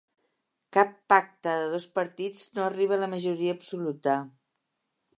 Cap pacte de dos partits no arriba a la majoria absoluta.